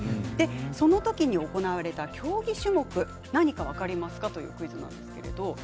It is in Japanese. そのときに行われた競技種目何か分かりますかというクイズなんですけど。